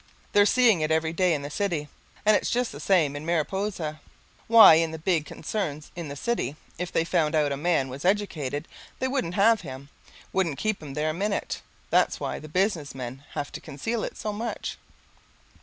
They're seeing it every day in the city, and it's just the same in Mariposa. Why, in the big concerns in the city, if they found out a man was educated, they wouldn't have him, wouldn't keep him there a minute. That's why the business men have to conceal it so much.